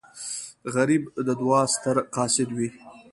غریب د دعا ستر قاصد وي